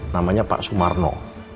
namanya pak sumarno